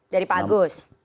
dari pak agus